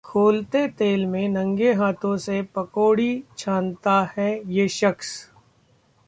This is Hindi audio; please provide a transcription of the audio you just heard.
खौलते तेल में नंगे हाथों से पकौड़ी छानता है ये शख्स